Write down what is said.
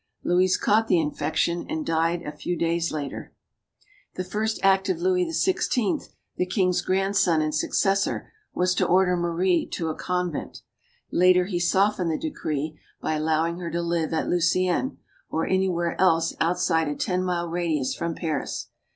Louis caught the infection and died a few days later. The first act of Louis XVI. the king's grandson and successor was to order Marie to a convent. Later MADAME DU BARRY 201 he softened the decree by allowing her to live at Luciennes, or anywhere else outside a ten mile radius from Paris.